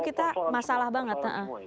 kita masalah banget